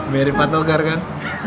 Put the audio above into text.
merry patelgar kan